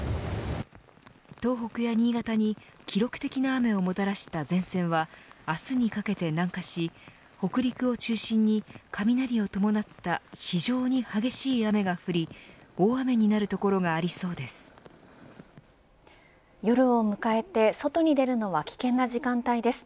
東北や新潟に記録的な雨をもたらした前線は明日にかけて南下し北陸を中心に、雷を伴った非常に激しい雨が降り大雨になる所がありそうです。